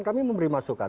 kami memberi masukan